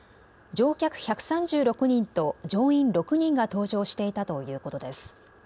乗客１３６人と乗員６人が搭乗していたということです。